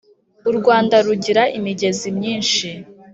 urwanda rugira imigezi myinshi